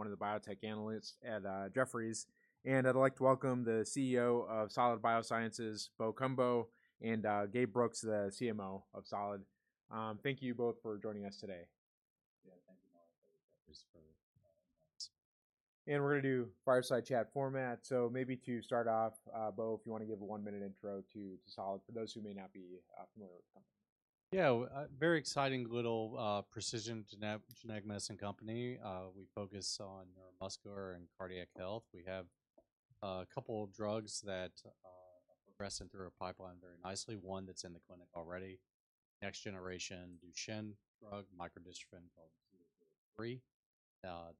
One of the biotech analysts at Jefferies. I'd like to welcome the CEO of Solid Biosciences, Bo Cumbo, and Gabe Brooks, the CMO of Solid. Thank you both for joining us today. Yeah, thank you for the invite. And we're going to do fireside chat format. So maybe to start off, Bo, if you want to give a one-minute intro to Solid for those who may not be familiar with the company. Yeah, very exciting little precision genetic medicine company. We focus on neuromuscular and cardiac health. We have a couple of drugs that are progressing through our pipeline very nicely. One that's in the clinic already, next-generation Duchenne drug, microdystrophin called SGT-003.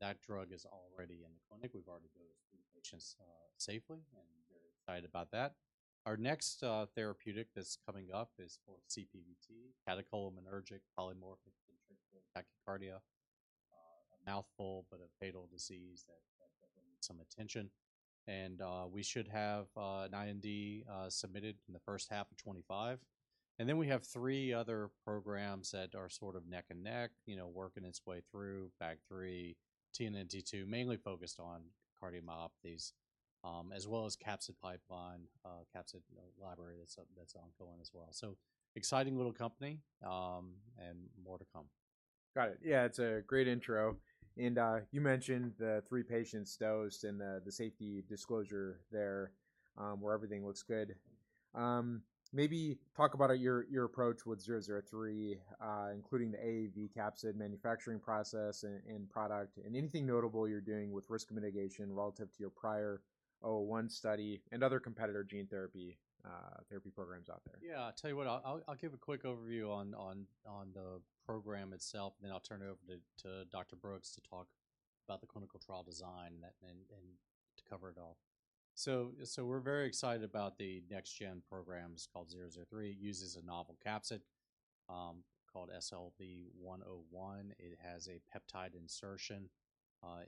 That drug is already in the clinic. We've already dosed three patients safely and very excited about that. Our next therapeutic that's coming up is for CPVT, Catecholaminergic Polymorphic Ventricular Tachycardia, a mouthful, but a fatal disease that definitely needs some attention, and we should have an IND submitted in the first half of 2025, and then we have three other programs that are sort of neck and neck, working its way through BAG3, TNNT2, mainly focused on cardiomyopathies, as well as capsid pipeline, capsid library that's ongoing as well, so exciting little company and more to come. Got it. Yeah, it's a great intro. And you mentioned the three patients dosed and the safety disclosure there where everything looks good. Maybe talk about your approach with 003, including the AAV capsid manufacturing process and product and anything notable you're doing with risk mitigation relative to your prior 001 study and other competitor gene therapy programs out there. Yeah, I'll tell you what, I'll give a quick overview on the program itself, and then I'll turn it over to Dr. Brooks to talk about the clinical trial design and to cover it all. So we're very excited about the next-gen programs called 003. It uses a novel capsid called SLB101. It has a peptide insertion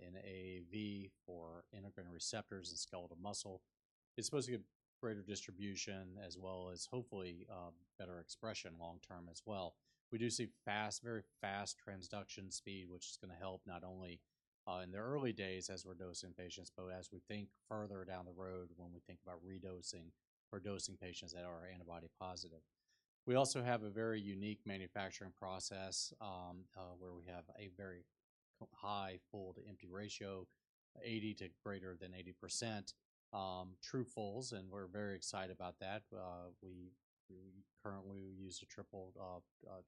in AAV for integrating receptors and skeletal muscle. It's supposed to get greater distribution as well as hopefully better expression long term as well. We do see very fast transduction speed, which is going to help not only in the early days as we're dosing patients, but as we think further down the road when we think about redosing or dosing patients that are antibody positive. We also have a very unique manufacturing process where we have a very high full-to-empty ratio, 80% to greater than 80% true fulls, and we're very excited about that. Currently, we use a triple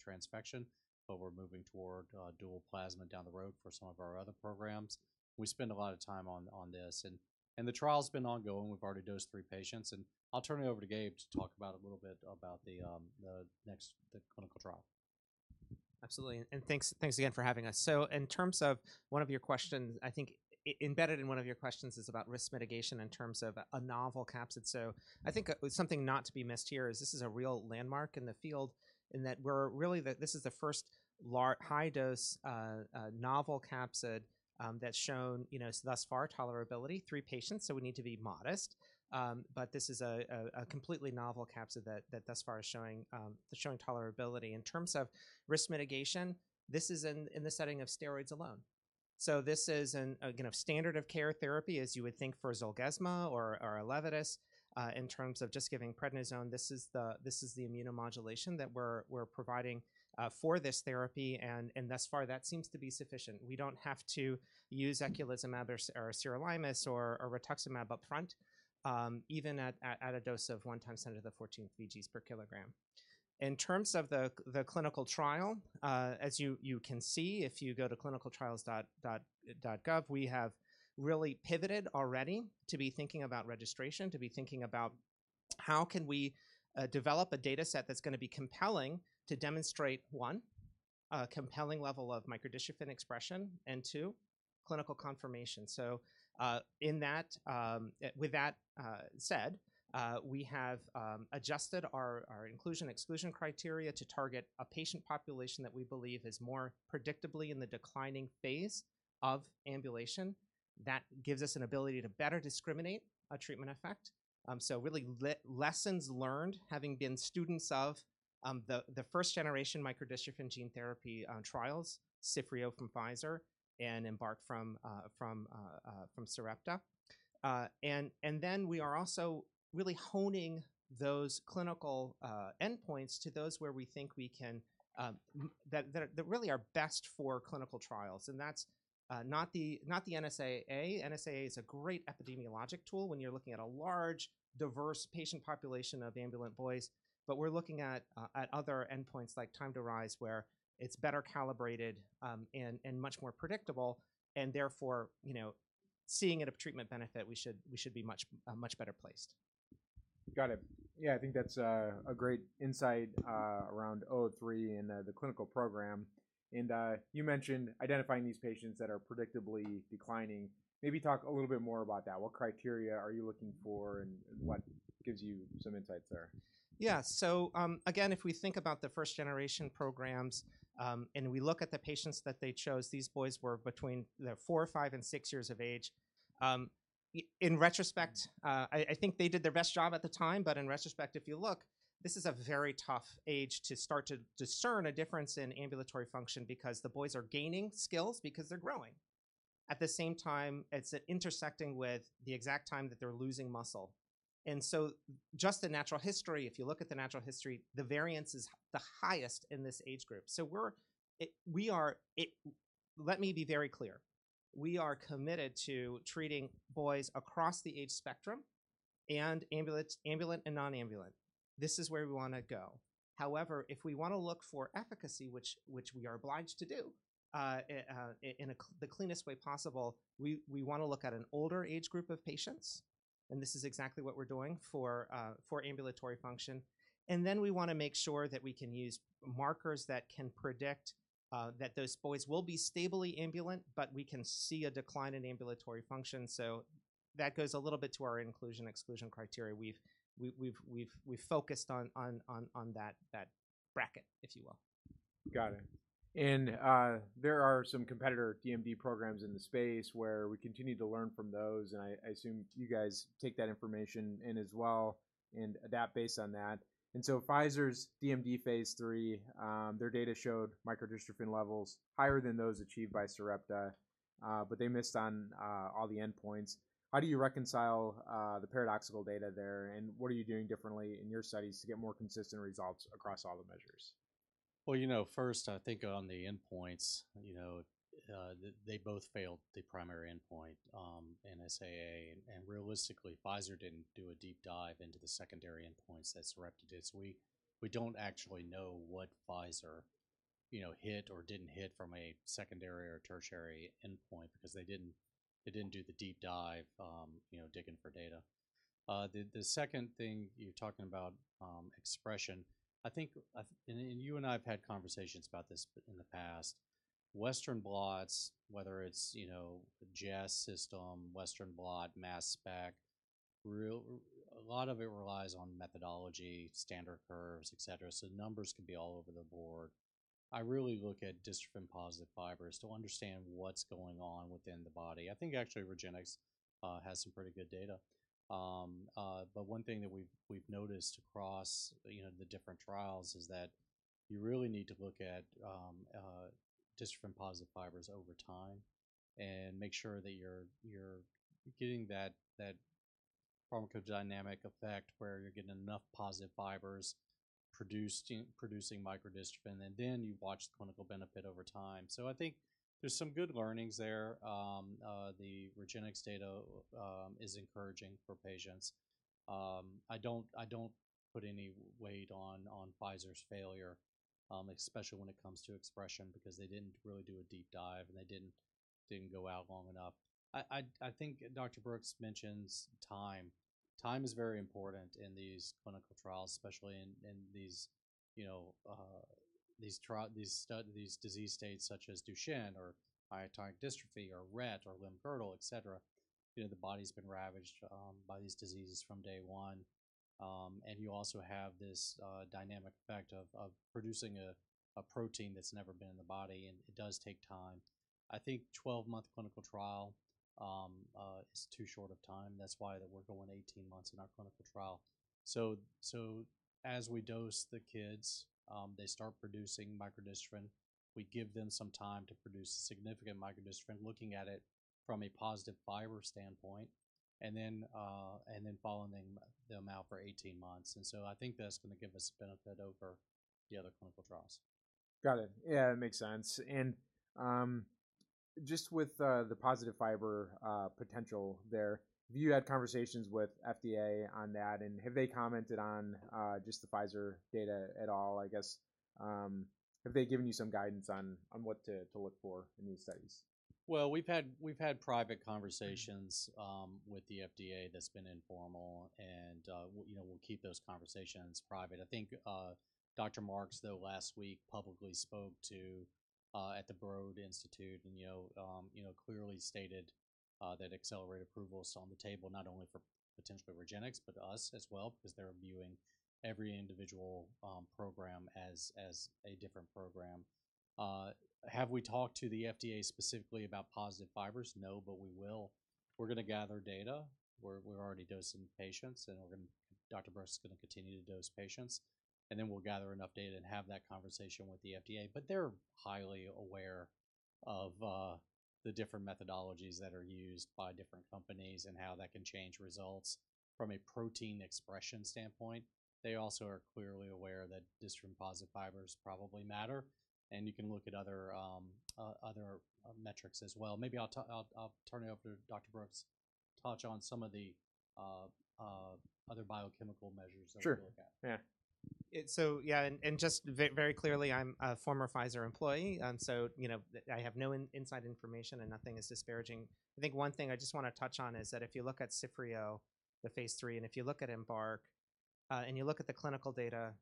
transfection, but we're moving toward dual plasmid down the road for some of our other programs. We spend a lot of time on this, and the trial's been ongoing. We've already dosed three patients, and I'll turn it over to Gabe to talk a little bit about the next clinical trial. Absolutely. And thanks again for having us. So in terms of one of your questions, I think embedded in one of your questions is about risk mitigation in terms of a novel capsid. So I think something not to be missed here is this is a real landmark in the field in that we're really this is the first high-dose novel capsid that's shown thus far tolerability, three patients, so we need to be modest. But this is a completely novel capsid that thus far is showing tolerability. In terms of risk mitigation, this is in the setting of steroids alone. So this is a standard of care therapy as you would think for Zolgensma or ELEVIDYS in terms of just giving prednisone. This is the immunomodulation that we're providing for this therapy, and thus far that seems to be sufficient. We don't have to use eculizumab or sirolimus or rituximab upfront, even at a dose of 1 times 10 to the 14th VGs per kilogram. In terms of the clinical trial, as you can see, if you go to clinicaltrials.gov, we have really pivoted already to be thinking about registration, to be thinking about how can we develop a dataset that's going to be compelling to demonstrate, one, a compelling level of microdystrophin expression, and two, clinical confirmation. So with that said, we have adjusted our inclusion-exclusion criteria to target a patient population that we believe is more predictably in the declining phase of ambulation. That gives us an ability to better discriminate a treatment effect. So really lessons learned having been students of the first-generation microdystrophin gene therapy trials, CIFFREO from Pfizer and EMBARK from Sarepta. We are also really honing those clinical endpoints to those where we think we can that really are best for clinical trials. That's not the NSAA. NSAA is a great epidemiologic tool when you're looking at a large, diverse patient population of ambulant boys, but we're looking at other endpoints like Time to Rise where it's better calibrated and much more predictable, and therefore seeing it a treatment benefit, we should be much better placed. Got it. Yeah, I think that's a great insight around 003 and the clinical program. And you mentioned identifying these patients that are predictably declining. Maybe talk a little bit more about that. What criteria are you looking for and what gives you some insights there? Yeah, so again, if we think about the first-generation programs and we look at the patients that they chose, these boys were between four, five, and six years of age. In retrospect, I think they did their best job at the time, but in retrospect, if you look, this is a very tough age to start to discern a difference in ambulatory function because the boys are gaining skills because they're growing. At the same time, it's intersecting with the exact time that they're losing muscle. And so just the natural history, if you look at the natural history, the variance is the highest in this age group. So we are, let me be very clear, we are committed to treating boys across the age spectrum and ambulant and non-ambulant. This is where we want to go. However, if we want to look for efficacy, which we are obliged to do in the cleanest way possible, we want to look at an older age group of patients, and this is exactly what we're doing for ambulatory function. And then we want to make sure that we can use markers that can predict that those boys will be stably ambulant, but we can see a decline in ambulatory function. So that goes a little bit to our inclusion-exclusion criteria. We've focused on that bracket, if you will. Got it. And there are some competitor DMD programs in the space where we continue to learn from those, and I assume you guys take that information in as well and adapt based on that. And so Pfizer's DMD phase III, their data showed microdystrophin levels higher than those achieved by Sarepta, but they missed on all the endpoints. How do you reconcile the paradoxical data there, and what are you doing differently in your studies to get more consistent results across all the measures? You know, first, I think on the endpoints, they both failed the primary endpoint, NSAA, and realistically, Pfizer didn't do a deep dive into the secondary endpoints that Sarepta did. So we don't actually know what Pfizer hit or didn't hit from a secondary or tertiary endpoint because they didn't do the deep dive digging for data. The second thing you're talking about expression, I think, and you and I have had conversations about this in the past, Western blots, whether it's Jess system, Western blot, mass spec, a lot of it relies on methodology, standard curves, et cetera. So numbers can be all over the board. I really look at dystrophin-positive fibers to understand what's going on within the body. I think actually REGENXBIO has some pretty good data. But one thing that we've noticed across the different trials is that you really need to look at dystrophin-positive fibers over time and make sure that you're getting that pharmacodynamic effect where you're getting enough positive fibers producing microdystrophin, and then you watch the clinical benefit over time. So I think there's some good learnings there. The REGENXBIO data is encouraging for patients. I don't put any weight on Pfizer's failure, especially when it comes to expression because they didn't really do a deep dive and they didn't go out long enough. I think Dr. Brooks mentions time. Time is very important in these clinical trials, especially in these disease states such as Duchenne or myotonic dystrophy or Rett or limb-girdle, et cetera. The body's been ravaged by these diseases from day one. You also have this dynamic effect of producing a protein that's never been in the body, and it does take time. I think 12-month clinical trial is too short of time. That's why we're going 18 months in our clinical trial. As we dose the kids, they start producing microdystrophin. We give them some time to produce significant microdystrophin looking at it from a dystrophin-positive fiber standpoint and then following them out for 18 months. I think that's going to give us benefit over the other clinical trials. Got it. Yeah, that makes sense. And just with the positive fiber potential there, have you had conversations with FDA on that, and have they commented on just the Pfizer data at all? I guess, have they given you some guidance on what to look for in these studies? We've had private conversations with the FDA that's been informal, and we'll keep those conversations private. I think Dr. Marks, though, last week publicly spoke at the Broad Institute and clearly stated that accelerated approval is on the table, not only for potentially REGENXBIO, but us as well because they're viewing every individual program as a different program. Have we talked to the FDA specifically about positive fibers? No, but we will. We're going to gather data. We're already dosing patients, and Dr. Brooks is going to continue to dose patients. And then we'll gather enough data and have that conversation with the FDA. But they're highly aware of the different methodologies that are used by different companies and how that can change results from a protein expression standpoint. They also are clearly aware that dystrophin-positive fibers probably matter, and you can look at other metrics as well. Maybe I'll turn it over to Dr. Brooks to touch on some of the other biochemical measures that we look at. Sure. Yeah. So yeah, and just very clearly, I'm a former Pfizer employee, and so I have no inside information and nothing is disparaging. I think one thing I just want to touch on is that if you look at CIFFREO, the phase III, and if you look at EMBARK and you look at the clinical data,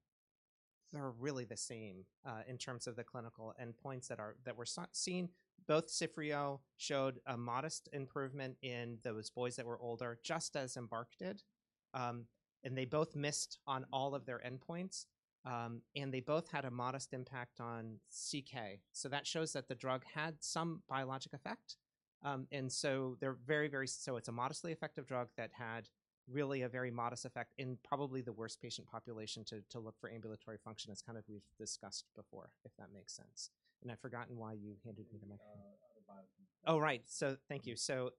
they're really the same in terms of the clinical endpoints that we're seeing. Both CIFFREO showed a modest improvement in those boys that were older, just as EMBARK did, and they both missed on all of their endpoints, and they both had a modest impact on CK, so that shows that the drug had some biologic effect. And so they're very, very, so it's a modestly effective drug that had really a very modest effect in probably the worst patient population to look for ambulatory function, as kind of we've discussed before, if that makes sense. I've forgotten why you handed me the microphone. Oh, right. So thank you. So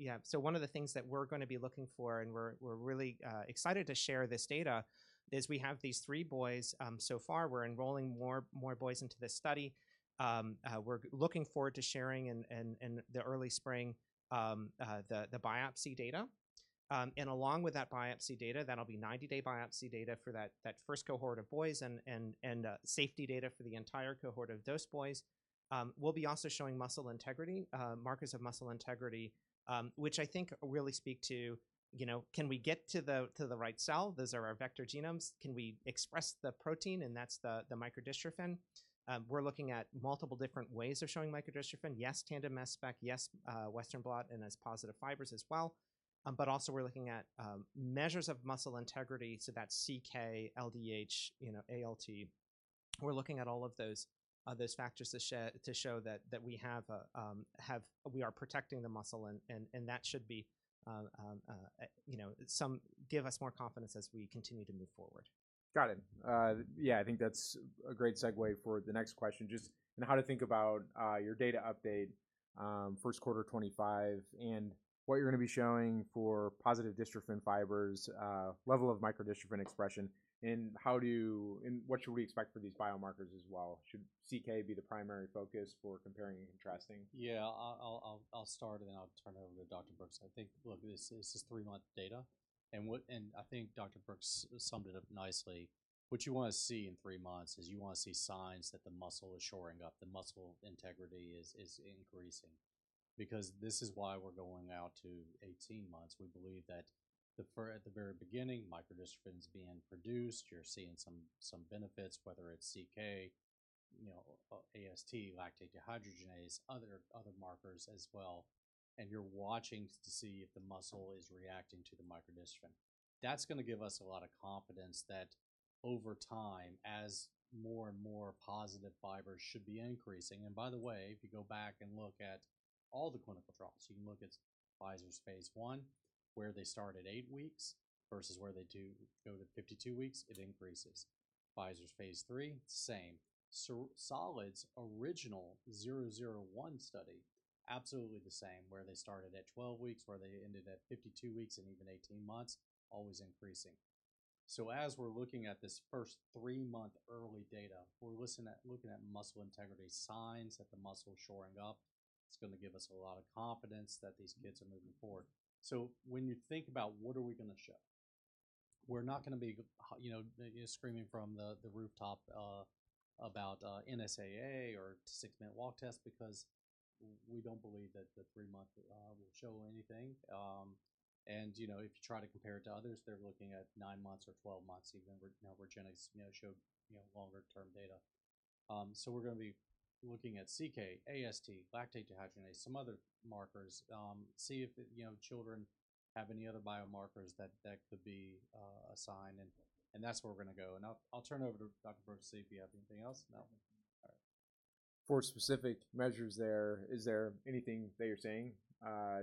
yeah, so one of the things that we're going to be looking for, and we're really excited to share this data, is we have these three boys so far. We're enrolling more boys into this study. We're looking forward to sharing in the early spring the biopsy data, and along with that biopsy data, that'll be 90-day biopsy data for that first cohort of boys and safety data for the entire cohort of those boys. We'll be also showing muscle integrity, markers of muscle integrity, which I think really speak to, can we get to the right cell? Those are our vector genomes. Can we express the protein? And that's the microdystrophin. We're looking at multiple different ways of showing microdystrophin. Yes, tandem mass spec, yes, Western blot, and dystrophin-positive fibers as well. Also we're looking at measures of muscle integrity, so that's CK, LDH, ALT. We're looking at all of those factors to show that we are protecting the muscle, and that should give us more confidence as we continue to move forward. Got it. Yeah, I think that's a great segue for the next question, just how to think about your data update, first quarter 2025, and what you're going to be showing for positive dystrophin fibers, level of microdystrophin expression, and what should we expect for these biomarkers as well? Should CK be the primary focus for comparing and contrasting? Yeah, I'll start, and then I'll turn it over to Dr. Brooks. I think, look, this is three-month data, and I think Dr. Brooks summed it up nicely. What you want to see in three months is you want to see signs that the muscle is shoring up, the muscle integrity is increasing. Because this is why we're going out to 18 months. We believe that at the very beginning, microdystrophin is being produced. You're seeing some benefits, whether it's CK, AST, lactate dehydrogenase, other markers as well, and you're watching to see if the muscle is reacting to the microdystrophin. That's going to give us a lot of confidence that over time, as more and more positive fibers should be increasing. By the way, if you go back and look at all the clinical trials, you can look at Pfizer's phase I, where they start at eight weeks versus where they go to 52 weeks, it increases. Pfizer's phase III, same. Solid's original 001 study, absolutely the same, where they started at 12 weeks, where they ended at 52 weeks and even 18 months, always increasing. So as we're looking at this first three-month early data, we're looking at muscle integrity signs that the muscle is shoring up. It's going to give us a lot of confidence that these kids are moving forward. So when you think about what are we going to show, we're not going to be screaming from the rooftop about NSAA or six-minute walk test because we don't believe that the three-month will show anything. If you try to compare it to others, they're looking at nine months or 12 months. Even now, REGENXBIO showed longer-term data so we're going to be looking at CK, AST, lactate dehydrogenase, some other markers, see if children have any other biomarkers that could be a sign, and that's where we're going to go, and I'll turn it over to Dr. Brooks to see if you have anything else. For specific measures there, is there anything that you're saying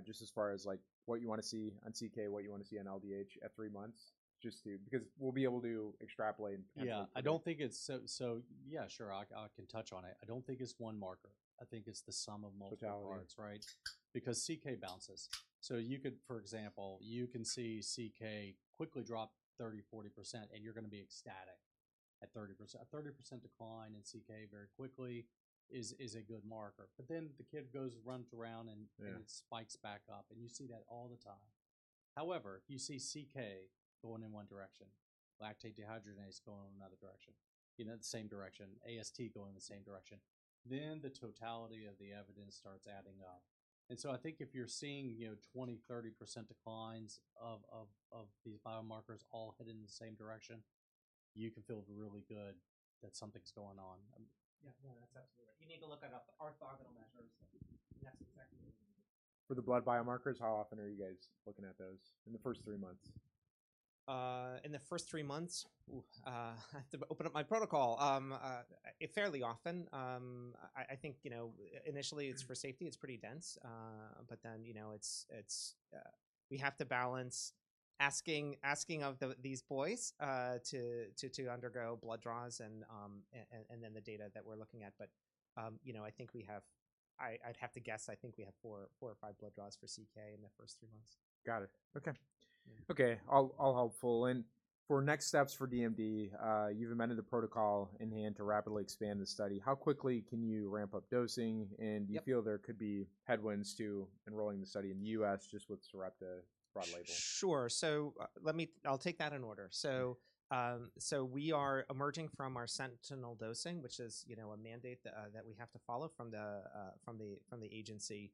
just as far as what you want to see on CK, what you want to see on LDH at three months? Because we'll be able to extrapolate. Yeah, sure, I can touch on it. I don't think it's one marker. I think it's the sum of multiple parts, right? Because CK bounces. So you could, for example, you can see CK quickly drop 30-40%, and you're going to be ecstatic at 30%. A 30% decline in CK very quickly is a good marker. But then the kid goes running around, and it spikes back up, and you see that all the time. However, you see CK going in one direction, lactate dehydrogenase going in another direction, in the same direction, AST going in the same direction. Then the totality of the evidence starts adding up. So I think if you're seeing 20-30% declines of these biomarkers all heading in the same direction, you can feel really good that something's going on. Yeah, no, that's absolutely right. You need to look at orthogonal measures. That's exactly what we need. For the blood biomarkers, how often are you guys looking at those in the first three months? In the first three months? I have to open up my protocol. Fairly often. I think initially for safety, it's pretty dense, but then we have to balance asking of these boys to undergo blood draws and then the data that we're looking at. But I think we have—I'd have to guess—I think we have four or five blood draws for CK in the first three months. Got it. Okay. Okay, all helpful. And for next steps for DMD, you've amended the protocol in hand to rapidly expand the study. How quickly can you ramp up dosing, and do you feel there could be headwinds to enrolling the study in the U.S. just with Sarepta broad label? Sure, so I'll take that in order, so we are emerging from our sentinel dosing, which is a mandate that we have to follow from the agency,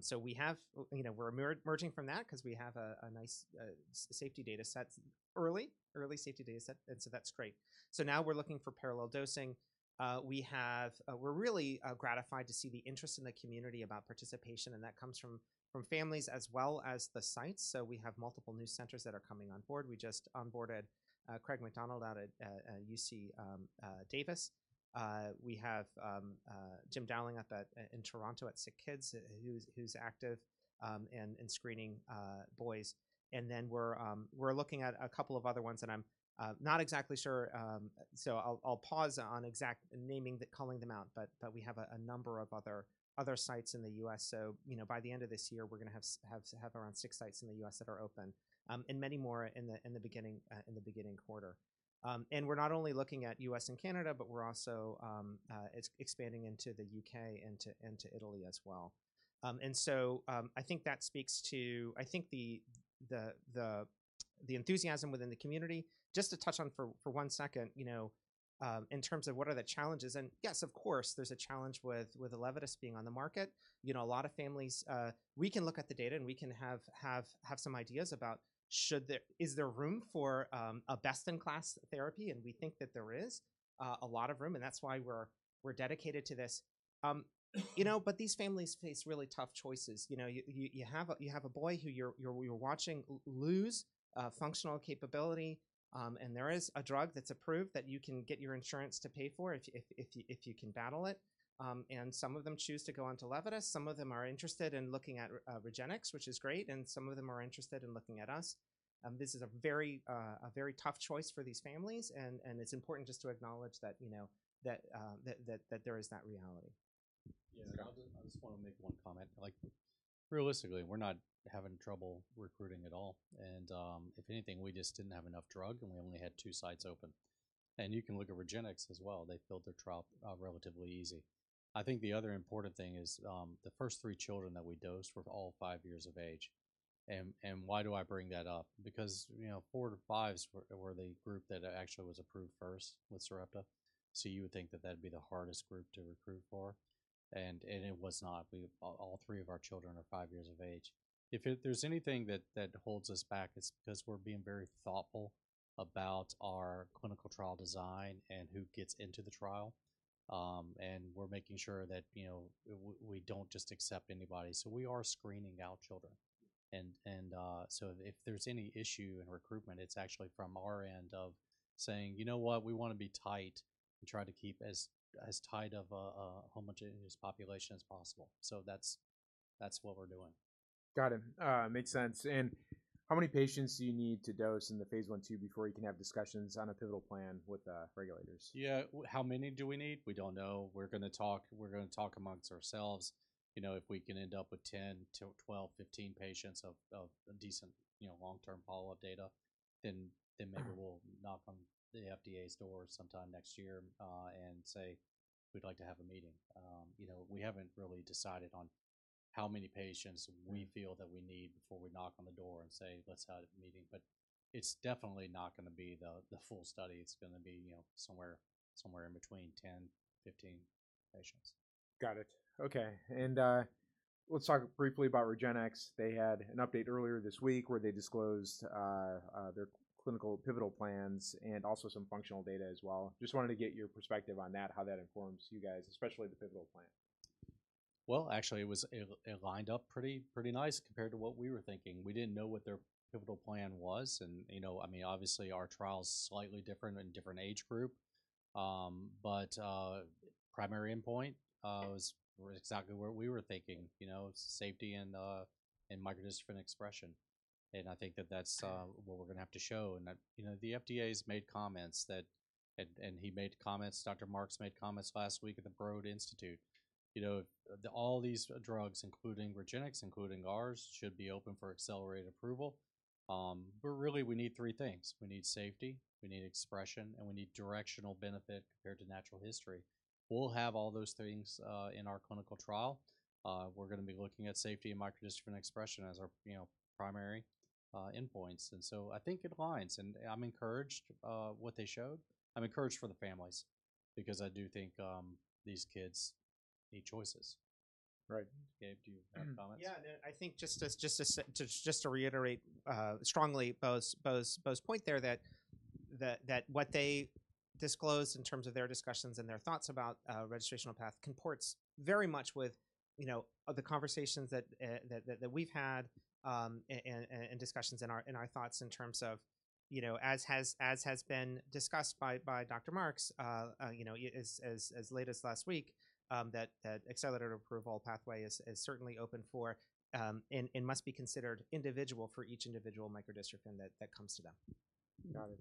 so we're emerging from that because we have a nice safety data set, early safety data set, and so that's great, so now we're looking for parallel dosing. We're really gratified to see the interest in the community about participation, and that comes from families as well as the sites. So we have multiple new centers that are coming on board. We just onboarded Craig McDonald out at UC Davis. We have Jim Dowling in Toronto at SickKids, who's active in screening boys, and then we're looking at a couple of other ones, and I'm not exactly sure, so I'll pause on naming that, calling them out, but we have a number of other sites in the U.S. By the end of this year, we're going to have around six sites in the U.S. that are open and many more in the beginning quarter. We're not only looking at U.S. and Canada, but we're also expanding into the U.K. and to Italy as well. I think that speaks to the enthusiasm within the community. Just to touch on for one second, in terms of what are the challenges, and yes, of course, there's a challenge with the ELEVIDYS being on the market. A lot of families, we can look at the data, and we can have some ideas about, is there room for a best-in-class therapy? We think that there is a lot of room, and that's why we're dedicated to this. These families face really tough choices. You have a boy who you're watching lose functional capability, and there is a drug that's approved that you can get your insurance to pay for if you can battle it, and some of them choose to go on to ELEVIDYS. Some of them are interested in looking at REGENXBIO, which is great, and some of them are interested in looking at us. This is a very tough choice for these families, and it's important just to acknowledge that there is that reality. Yeah, I just want to make one comment. Realistically, we're not having trouble recruiting at all, and if anything, we just didn't have enough drug, and we only had two sites open, and you can look at REGENXBIO as well. They filled their trial relatively easy. I think the other important thing is the first three children that we dosed were all five years of age, and why do I bring that up? Because four to fives were the group that actually was approved first with Sarepta, so you would think that that'd be the hardest group to recruit for, and it was not. All three of our children are five years of age. If there's anything that holds us back, it's because we're being very thoughtful about our clinical trial design and who gets into the trial, and we're making sure that we don't just accept anybody. We are screening out children. If there's any issue in recruitment, it's actually from our end of saying, you know what, we want to be tight and try to keep as tight of a homogeneous population as possible. That's what we're doing. Got it. Makes sense. And how many patients do you need to dose in the phase I/II before you can have discussions on a pivotal plan with the regulators? Yeah, how many do we need? We don't know. We're going to talk amongst ourselves. If we can end up with 10 to 12, 15 patients of decent long-term follow-up data, then maybe we'll knock on the FDA's door sometime next year and say, we'd like to have a meeting. We haven't really decided on how many patients we feel that we need before we knock on the door and say, let's have a meeting. But it's definitely not going to be the full study. It's going to be somewhere in between 10, 15 patients. Got it. Okay. Let's talk briefly about REGENXBIO. They had an update earlier this week where they disclosed their clinical pivotal plans and also some functional data as well. Just wanted to get your perspective on that, how that informs you guys, especially the pivotal plan. Well, actually, it lined up pretty nice compared to what we were thinking. We didn't know what their pivotal plan was. And I mean, obviously, our trial is slightly different in a different age group, but primary endpoint was exactly what we were thinking, safety and microdystrophin expression. And I think that that's what we're going to have to show. And the FDA's made comments that, and he made comments, Dr. Marks made comments last week at the Broad Institute. All these drugs, including REGENXBIO, including ours, should be open for accelerated approval. But really, we need three things. We need safety, we need expression, and we need directional benefit compared to natural history. We'll have all those things in our clinical trial. We're going to be looking at safety and microdystrophin expression as our primary endpoints. And so I think it aligns, and I'm encouraged what they showed. I'm encouraged for the families because I do think these kids need choices. Right. Do you have comments? Yeah. I think just to reiterate strongly Bo's point there that what they disclosed in terms of their discussions and their thoughts about registrational path comports very much with the conversations that we've had and discussions in our thoughts in terms of, as has been discussed by Dr. Marks as late as last week, that accelerated approval pathway is certainly open for and must be considered individual for each individual microdystrophin that comes to them. Got it.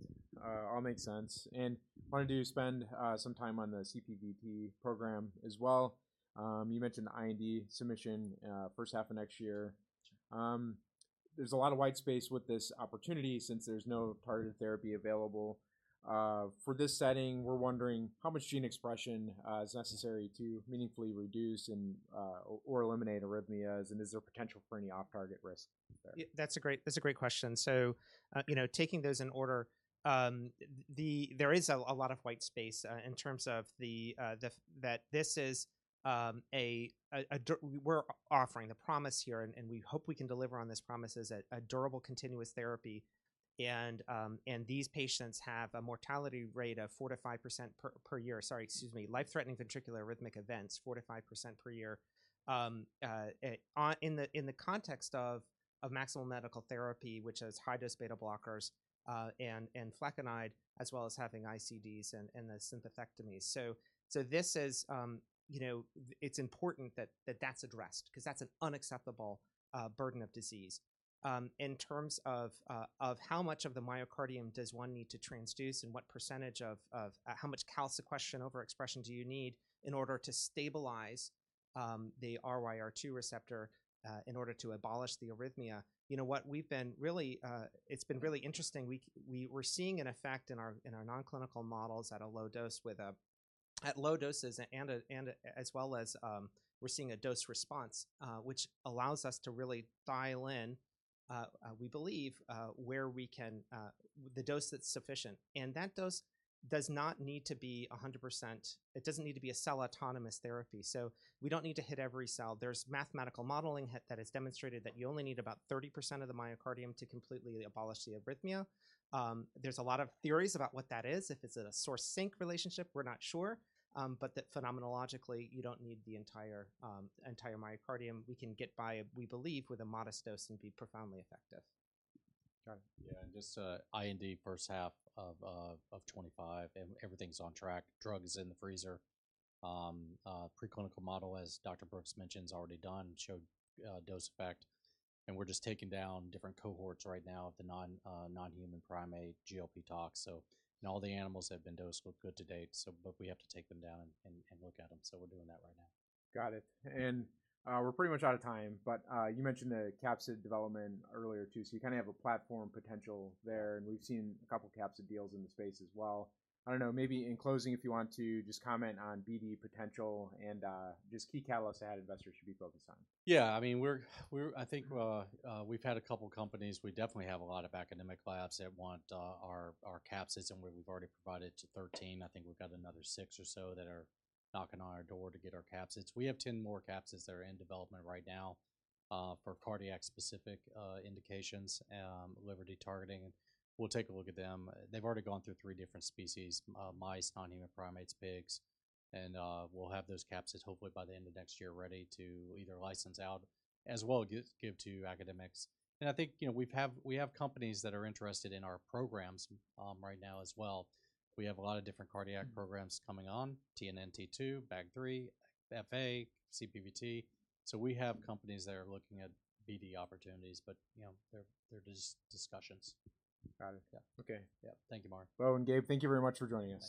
All makes sense. And I wanted to spend some time on the CPVT program as well. You mentioned IND submission first half of next year. There's a lot of white space with this opportunity since there's no targeted therapy available. For this setting, we're wondering how much gene expression is necessary to meaningfully reduce or eliminate arrhythmias, and is there potential for any off-target risk there? That's a great question, so taking those in order, there is a lot of white space in terms of that this is, we're offering the promise here, and we hope we can deliver on this promise as a durable continuous therapy, and these patients have a mortality rate of 4%-5% per year. Sorry, excuse me. Life-threatening ventricular arrhythmic events, 4%-5% per year in the context of maximal medical therapy, which is high-dose beta-blockers and flecainide, as well as having ICDs and the sympathectomies, so it's important that that's addressed because that's an unacceptable burden of disease. In terms of how much of the myocardium does one need to transduce and what percentage of how much calcium sequestration overexpression do you need in order to stabilize the RYR2 receptor in order to abolish the arrhythmia, what we've been really, it's been really interesting. We're seeing an effect in our non-clinical models at low doses as well as a dose response, which allows us to really dial in, we believe, the dose that's sufficient. That dose does not need to be 100%. It doesn't need to be a cell autonomous therapy. So we don't need to hit every cell. There's mathematical modeling that has demonstrated that you only need about 30% of the myocardium to completely abolish the arrhythmia. There's a lot of theories about what that is. If it's a source-sink relationship, we're not sure, but phenomenologically, you don't need the entire myocardium. We can get by, we believe, with a modest dose and be profoundly effective. Got it. Yeah, and just IND first half of 2025, everything's on track. Drug is in the freezer. Preclinical model, as Dr. Brooks mentioned, is already done, showed dose effect. And we're just taking down different cohorts right now of the non-human primate GLP tox, so all the animals have been dosed, with good data to date, but we have to take them down and look at them, so we're doing that right now. Got it. And we're pretty much out of time, but you mentioned the capsid development earlier too. So you kind of have a platform potential there, and we've seen a couple of capsid deals in the space as well. I don't know, maybe in closing, if you want to just comment on BD potential and just key catalysts to add investors should be focused on. Yeah. I mean, I think we've had a couple of companies. We definitely have a lot of academic labs that want our capsids, and we've already provided to 13. I think we've got another six or so that are knocking on our door to get our capsids. We have 10 more capsids that are in development right now for cardiac-specific indications, liver de-targeting. We'll take a look at them. They've already gone through three different species: mice, non-human primates, pigs. And we'll have those capsids hopefully by the end of next year ready to either license out as well as give to academics. And I think we have companies that are interested in our programs right now as well. We have a lot of different cardiac programs coming on: TNNT2, BAG3, FA, CPVT. So we have companies that are looking at BD opportunities, but they're just discussions. Got it. Okay. Yeah. Thank you, Mark. Bo and Gabe, thank you very much for joining us.